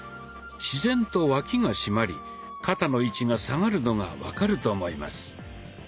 自然と脇が締まり肩の位置が下がるのが分かると思います。